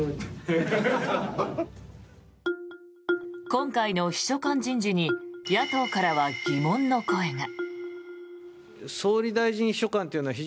今回の秘書官人事に野党からは疑問の声が。